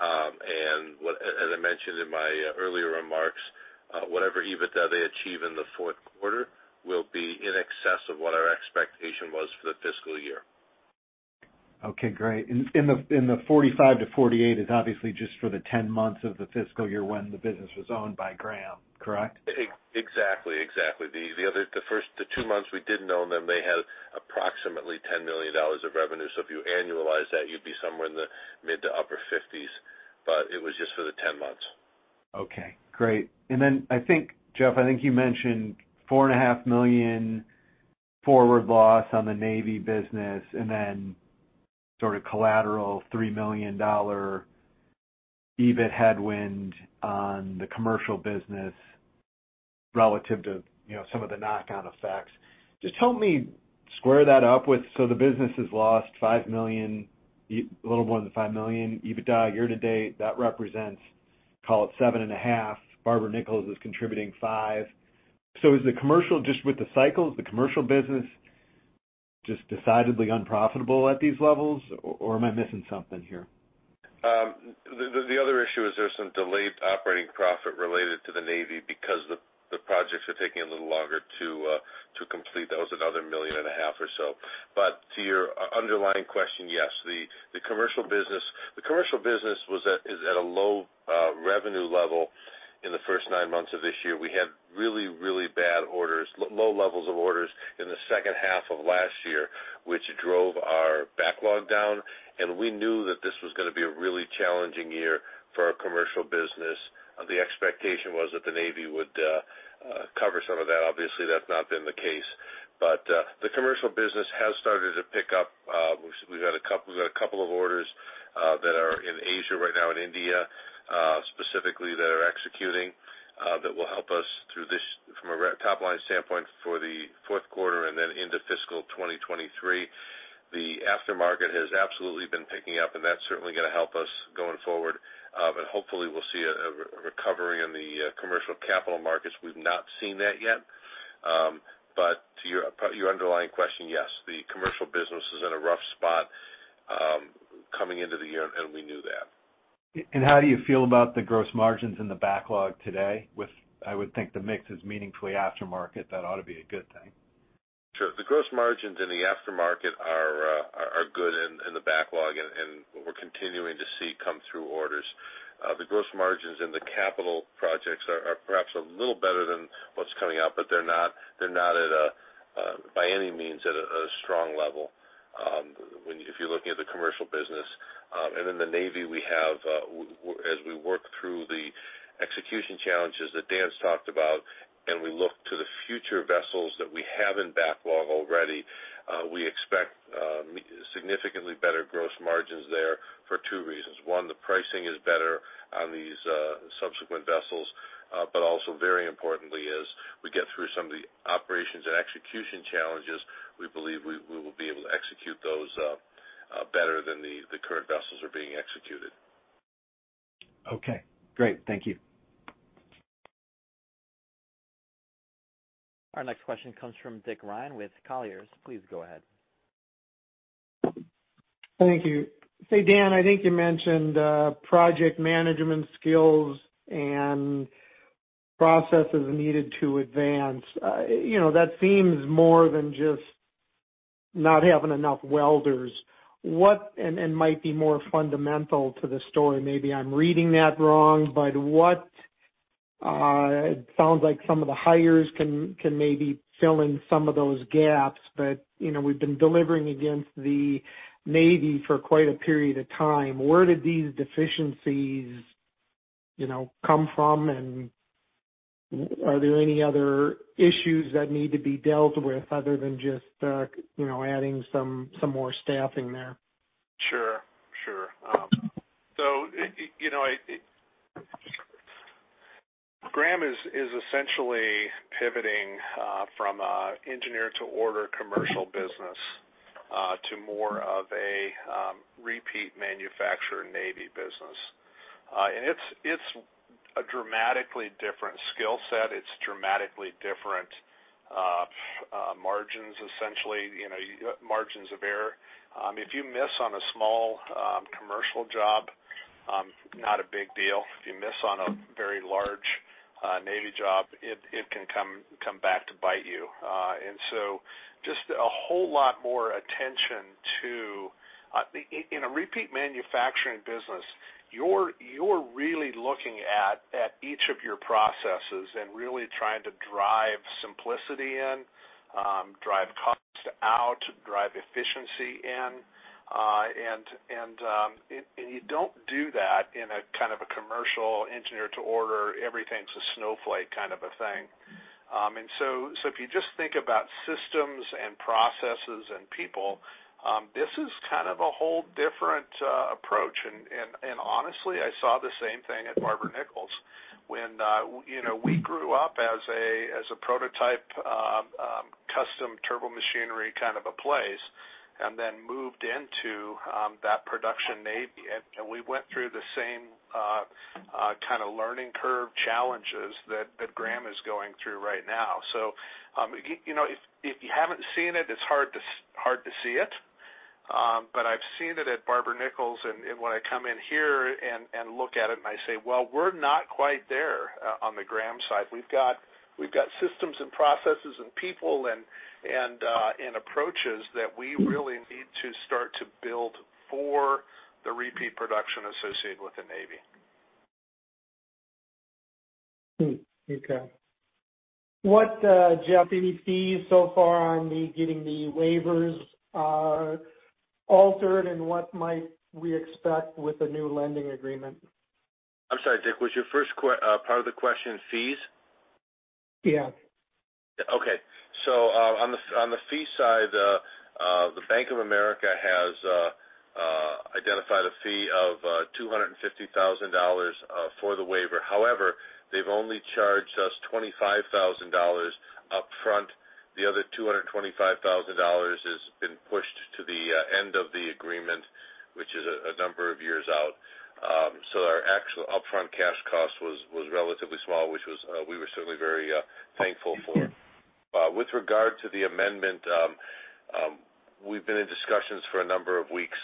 As I mentioned in my earlier remarks, whatever EBITDA they achieve in the fourth quarter will be in excess of what our expectation was for the fiscal year. Okay, great. In the 45-48 is obviously just for the 10 months of the fiscal year when the business was owned by Graham, correct? Exactly. The two months we didn't own them, they had approximately $10 million of revenue. If you annualize that, you'd be somewhere in the mid- to upper-50s, but it was just for the 10 months. Okay, great. I think, Jeff, you mentioned $4.5 million forward loss on the Navy business, and then sort of collateral $3 million EBIT headwind on the commercial business relative to, you know, some of the knock-on effects. Just help me square that up with, the business has lost $5 million, a little more than $5 million EBITDA year to date. That represents, call it $7.5 million. Barber-Nichols is contributing $5 million. Is the commercial just with the cycles, the commercial business just decidedly unprofitable at these levels, or am I missing something here? The other issue is there's some delayed operating profit related to the Navy because the projects are taking a little longer to complete. That was another $1.5 million or so. To your underlying question, yes, the commercial business was at, is at a low revenue level in the first nine months of this year. We had really, really bad orders, low levels of orders in the second half of last year, which drove our backlog down. We knew that this was gonna be a really challenging year for our commercial business. The expectation was that the Navy would cover some of that. Obviously, that's not been the case. The commercial business has started to pick up. We've had a couple of orders that are in Asia right now, in India specifically that are executing that will help us through this from a top-line standpoint for the fourth quarter and then into fiscal 2023. The aftermarket has absolutely been picking up, and that's certainly gonna help us going forward. Hopefully, we'll see a recovery in the commercial capital markets. We've not seen that yet. To your underlying question, yes, the commercial business is in a rough spot coming into the year, and we knew that. How do you feel about the gross margins in the backlog today with, I would think, the mix is meaningfully aftermarket? That ought to be a good thing. Sure. The gross margins in the aftermarket are good in the backlog and we're continuing to see orders come through. The gross margins in the capital projects are perhaps a little better than what's coming out, but they're not at a, by any means at a strong level when you're looking at the commercial business. In the Navy, as we work through the execution challenges that Dan's talked about, and we look to the future vessels that we have in backlog already, we expect significantly better gross margins there for two reasons. One, the pricing is better on these subsequent vessels, but also very importantly is we get through some of the operations and execution challenges, we believe we will be able to execute those better than the current vessels are being executed. Okay, great. Thank you. Our next question comes from Dick Ryan with Colliers. Please go ahead. Thank you. Say, Dan, I think you mentioned project management skills and processes needed to advance. You know, that seems more than just not having enough welders. What might be more fundamental to the story. Maybe I'm reading that wrong, but what it sounds like some of the hires can maybe fill in some of those gaps. You know, we've been delivering against the Navy for quite a period of time. Where did these deficiencies you know come from? Are there any other issues that need to be dealt with other than just you know adding some more staffing there? Sure. You know, Graham is essentially pivoting from an engineer-to-order commercial business to more of a repeat manufacturing Navy business. It's a dramatically different skill set. It's dramatically different margins, essentially, you know, margins of error. If you miss on a small commercial job, not a big deal. If you miss on a very large Navy job, it can come back to bite you. Just a whole lot more attention to in a repeat manufacturing business, you're really looking at each of your processes and really trying to drive simplicity in, drive costs out, drive efficiency in. You don't do that in a kind of a commercial engineer-to-order, everything's a snowflake kind of a thing. If you just think about systems and processes and people, this is kind of a whole different approach. Honestly, I saw the same thing at Barber-Nichols when, you know, we grew up as a prototype custom turbomachinery kind of a place and then moved into that production Navy. We went through the same kind of learning curve challenges that Graham is going through right now. You know, if you haven't seen it's hard to see it. I've seen it at Barber-Nichols, and when I come in here and look at it and I say, "Well, we're not quite there on the Graham side." We've got systems and processes and people and approaches that we really need to start to build for the repeat production associated with the Navy. Okay. What, Jeff, fees so far on getting the waivers altered, and what might we expect with the new lending agreement? I'm sorry, Dick, was your first part of the question fees? Yeah. On the fee side, the Bank of America has identified a fee of $250,000 for the waiver. However, they've only charged us $25,000 upfront. The other $225,000 has been pushed to the end of the agreement, which is a number of years out. Our actual upfront cash cost was relatively small, which we were certainly very thankful for. Sure. With regard to the amendment, we've been in discussions for a number of weeks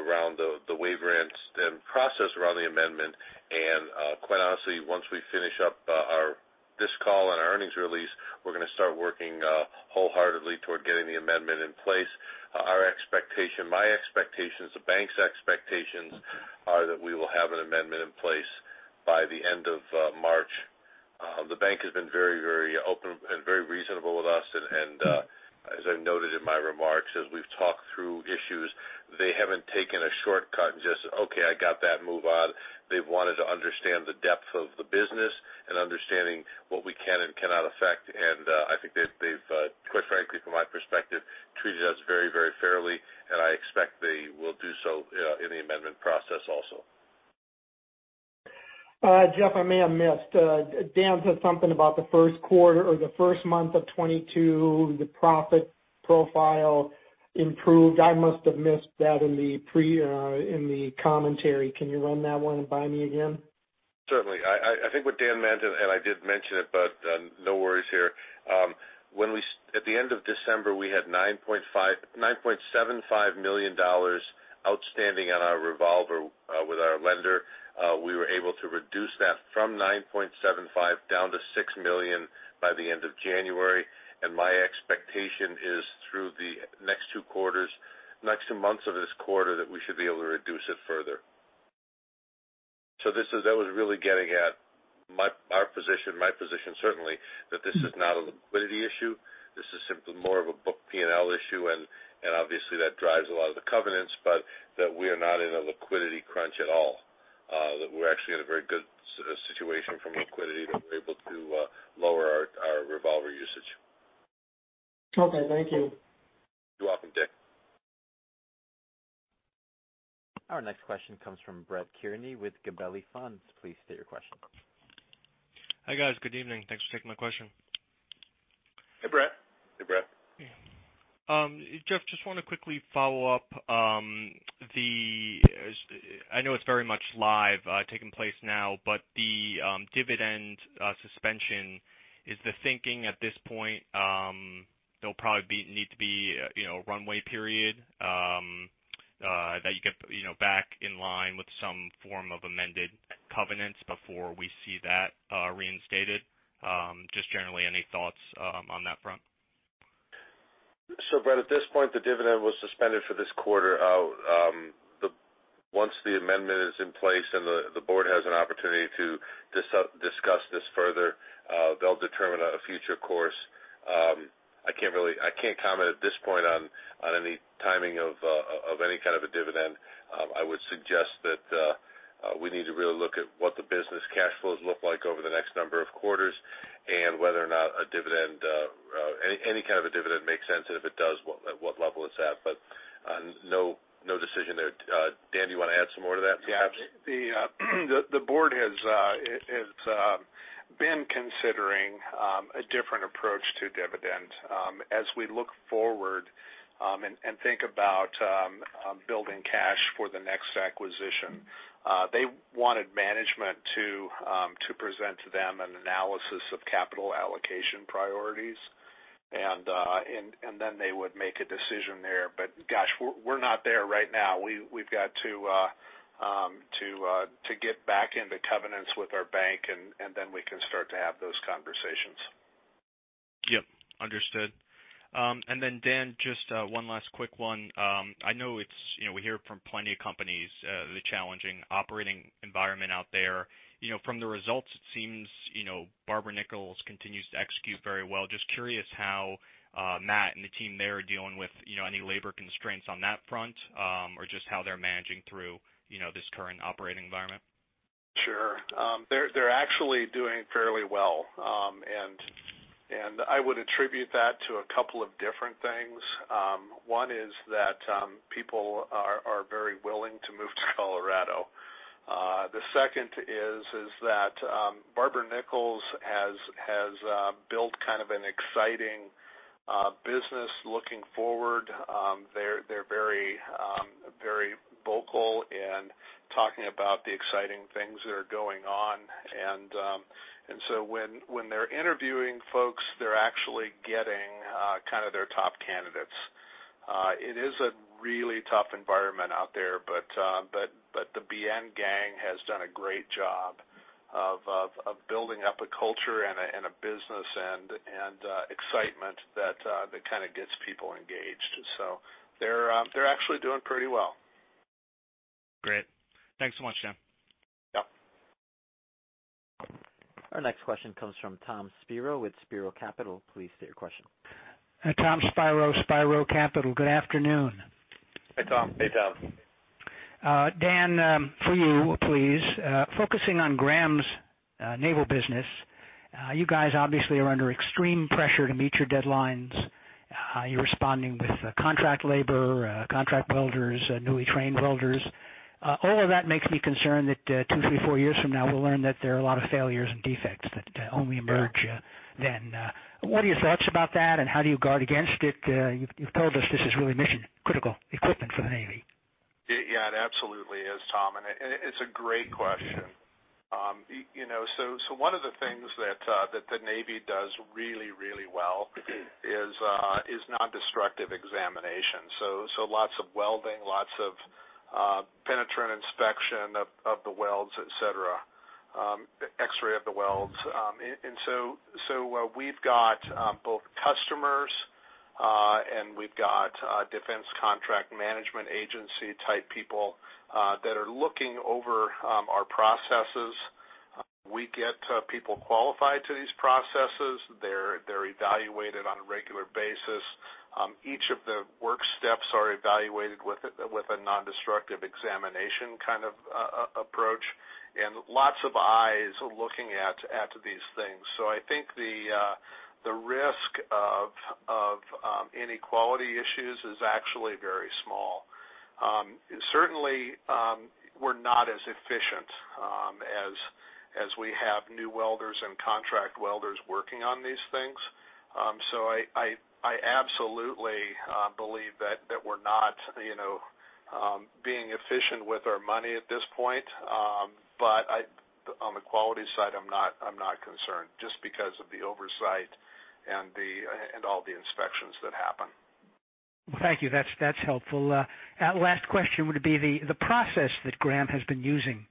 around the waiver and then process around the amendment. Quite honestly, once we finish up this call and our earnings release, we're gonna start working wholeheartedly toward getting the amendment in place. Our expectation, my expectations, the bank's expectations are that we will have an amendment in place by the end of March. The bank has been very, very open and very reasonable with us. As I noted in my remarks, as we've talked through issues, they haven't taken a shortcut and just, "Okay, I got that. Move on." They've wanted to understand the depth of the business and understanding what we can and cannot affect. I think they've quite frankly, from my perspective, treated us very fairly, and I expect they will do so in the amendment process also. Jeff, I may have missed. Dan said something about the first quarter or the first month of 2022, the profit profile improved. I must have missed that in the pre, in the commentary. Can you run that one by me again? Certainly. I think what Dan meant, and I did mention it, but no worries here. When at the end of December, we had $9.75 million outstanding on our revolver with our lender. We were able to reduce that from $9.75 million down to $6 million by the end of January. My expectation is through the next two quarters, next two months of this quarter, that we should be able to reduce it further. That was really getting at our position, my position, certainly, that this is not a liquidity issue. This is simply more of a book P&L issue, and obviously that drives a lot of the covenants, but that we are not in a liquidity crunch at all. That we're actually in a very good situation from liquidity, that we're able to lower our revolver usage. Okay. Thank you. You're welcome, Dick. Our next question comes from Brett Kearney with Gabelli Funds. Please state your question. Hi, guys. Good evening. Thanks for taking my question. Hey, Brett. Jeff, just wanna quickly follow up. I know it's very much live, taking place now, but the dividend suspension, is the thinking at this point there'll probably need to be, you know, a runway period that you get, you know, back in line with some form of amended covenants before we see that reinstated? Just generally, any thoughts on that front? Brett, at this point, the dividend was suspended for this quarter. Once the amendment is in place and the board has an opportunity to discuss this further, they'll determine a future course. I can't comment at this point on any timing of any kind of a dividend. I would suggest that we need to really look at what the business cash flows look like over the next number of quarters and whether or not a dividend any kind of a dividend makes sense, and if it does, what level it's at. No decision there. Dan, do you wanna add some more to that perhaps? Yeah. The board has been considering a different approach to dividend as we look forward and think about building cash for the next acquisition. They wanted management to present to them an analysis of capital allocation priorities. They would make a decision there. Gosh, we're not there right now. We've got to get back into covenants with our bank, and then we can start to have those conversations. Yep, understood. Dan, just one last quick one. I know it's, you know, we hear from plenty of companies, the challenging operating environment out there. You know, from the results, it seems, you know, Barber-Nichols continues to execute very well. Just curious how Matt and the team there are dealing with, you know, any labor constraints on that front, or just how they're managing through, you know, this current operating environment. Sure. They're actually doing fairly well. I would attribute that to a couple of different things. One is that people are very willing to move to Colorado. The second is that Barber-Nichols has built kind of an exciting business looking forward. They're very vocal in talking about the exciting things that are going on. When they're interviewing folks, they're actually getting kind of their top candidates. It is a really tough environment out there, but the Barber-Nichols gang has done a great job of building up a culture and a business and excitement that kind of gets people engaged. They're actually doing pretty well. Great. Thanks so much, Dan. Yep. Our next question comes from Tom Spiro with Spiro Capital. Please state your question. Tom Spiro, Spiro Capital. Good afternoon. Hey, Tom. Hey, Tom. Dan, for you please, focusing on Graham's naval business, you guys obviously are under extreme pressure to meet your deadlines. You're responding with contract labor, contract welders, newly trained welders. All of that makes me concerned that two, three, four years from now, we'll learn that there are a lot of failures and defects that only emerge- Yeah. What are your thoughts about that, and how do you guard against it? You've told us this is really mission critical equipment for the Navy. Yeah, it absolutely is, Tom, and it's a great question. You know, one of the things that the Navy does really well is non-destructive examination. So lots of welding, lots of penetrant inspection of the welds, etc. X-ray of the welds. And so we've got both customers and we've got Defense Contract Management Agency type people that are looking over our processes. We get people qualified to these processes. They're evaluated on a regular basis. Each of the work steps are evaluated with a non-destructive examination kind of approach, and lots of eyes looking at these things. I think the risk of any quality issues is actually very small. Certainly, we're not as efficient as we have new welders and contract welders working on these things. I absolutely believe that we're not, you know, being efficient with our money at this point. On the quality side, I'm not concerned just because of the oversight and all the inspections that happen. Well, thank you. That's helpful. Last question would be the process that Graham has been using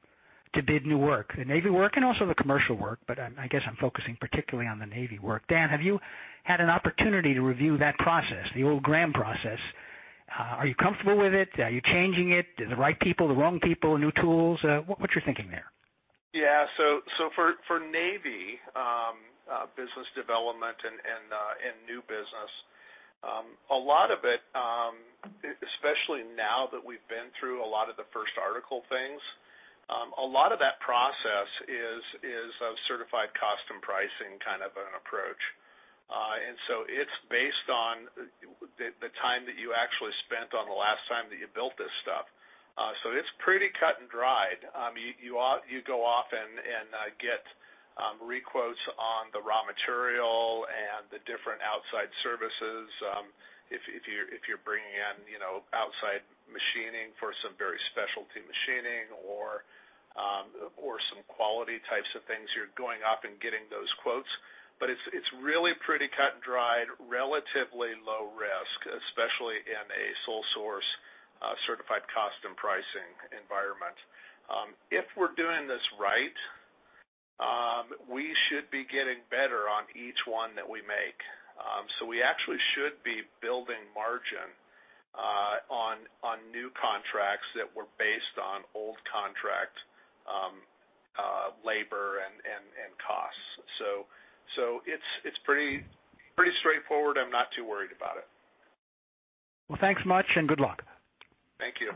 to bid new work, the Navy work and also the commercial work, but I guess I'm focusing particularly on the Navy work. Dan, have you had an opportunity to review that process, the old Graham process? Are you comfortable with it? Are you changing it? The right people, the wrong people, new tools? What's your thinking there? Yeah. For Navy business development and new business, a lot of it, especially now that we've been through a lot of the first article things, a lot of that process is a certified cost and pricing kind of an approach, and so it is based on the time that you actually spent on the last time that you built this stuff. It's pretty cut and dried. You go off and get requotes on the raw material and the different outside services. If you're bringing in, you know, outside machining for some very specialized machining or some quality types of things, you're going off and getting those quotes. But it's really pretty cut and dried, relatively low risk, especially in a sole source certified cost and pricing environment. If we're doing this right, we should be getting better on each one that we make. So we actually should be building margin on new contracts that were based on old contract labor and costs. It's pretty straightforward. I'm not too worried about it. Well, thanks much, and good luck. Thank you.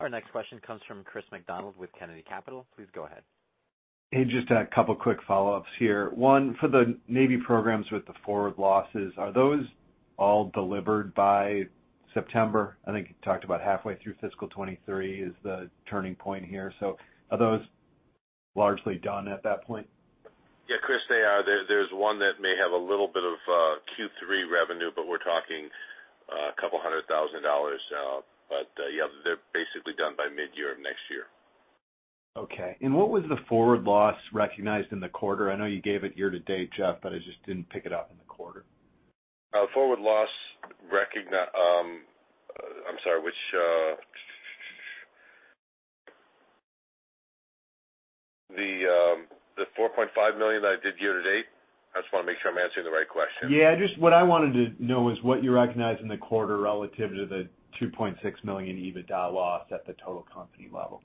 Our next question comes from Christian McDonald with Kennedy Capital. Please go ahead. Hey, just a couple quick follow-ups here. One, for the Navy programs with the forward losses, are those all delivered by September? I think you talked about halfway through fiscal 2023 is the turning point here. Are those largely done at that point? Yeah, Chris, they are. There's one that may have a little bit of Q3 revenue, but we're talking $200,000. But yeah, they're basically done by mid-year of next year. Okay. What was the forward loss recognized in the quarter? I know you gave it year to date, Jeff, but I just didn't pick it up in the quarter. Which, the $4.5 million that I did year to date? I just wanna make sure I'm answering the right question. Yeah, just what I wanted to know is what you recognized in the quarter relative to the $2.6 million EBITDA loss at the total company level.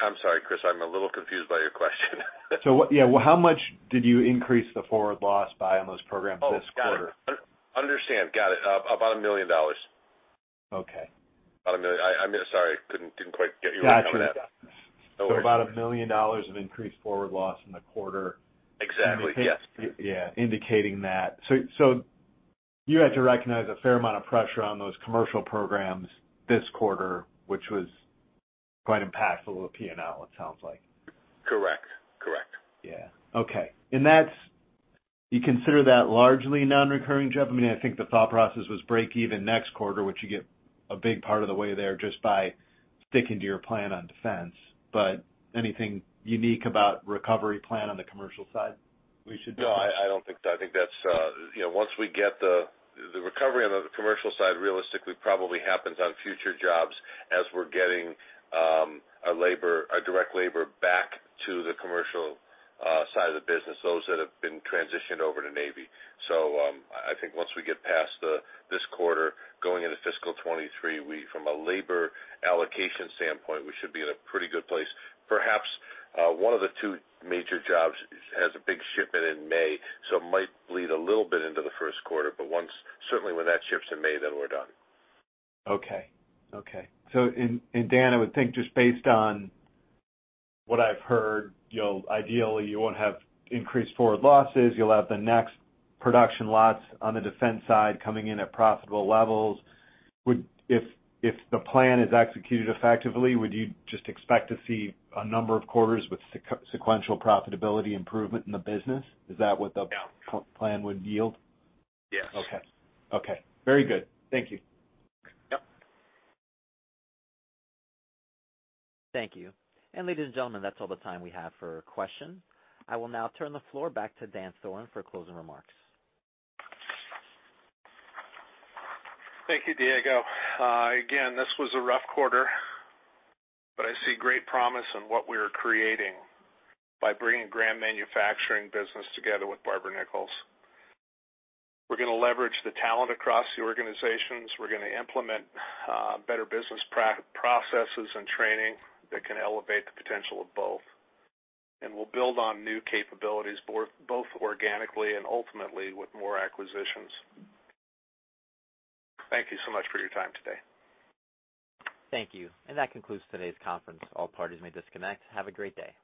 I'm sorry, Chris, I'm a little confused by your question. How much did you increase the forward loss by on those programs this quarter? Oh, got it. Understand. Got it. About $1 million. Okay. About $1 million. I'm sorry. Didn't quite get you right on that. Gotcha. About $1 million of increased forward loss in the quarter. Exactly, yes. Yeah, indicating that. You had to recognize a fair amount of pressure on those commercial programs this quarter, which was quite impactful to P&L, it sounds like. Correct. Correct. Okay. That's, you consider that largely non-recurring, Jeff? I mean, I think the thought process was break even next quarter, which you get a big part of the way there just by sticking to your plan on defense. Anything unique about recovery plan on the commercial side we should know? No, I don't think so. I think that's, you know, once we get the recovery on the commercial side realistically probably happens on future jobs as we're getting our labor, our direct labor back to the commercial side of the business, those that have been transitioned over to Navy. So, I think once we get past this quarter, going into fiscal 2023, we, from a labor allocation standpoint, we should be in a pretty good place. Perhaps one of the two major jobs has a big shipment in May, so it might bleed a little bit into the first quarter, but certainly when that ships in May, then we're done. Okay. Dan, I would think just based on what I've heard, you know, ideally you won't have increased forward losses. You'll have the next production lots on the defense side coming in at profitable levels. If the plan is executed effectively, would you just expect to see a number of quarters with sequential profitability improvement in the business? Is that what the- Yeah. plan would yield? Yes. Okay. Very good. Thank you. Yep. Thank you. Ladies and gentlemen, that's all the time we have for questions. I will now turn the floor back to Dan Thoren for closing remarks. Thank you, Diego. Again, this was a rough quarter, but I see great promise in what we are creating by bringing Graham Corporation business together with Barber-Nichols. We're gonna leverage the talent across the organizations. We're gonna implement better business processes and training that can elevate the potential of both. We'll build on new capabilities both organically and ultimately with more acquisitions. Thank you so much for your time today. Thank you. That concludes today's conference. All parties may disconnect. Have a great day.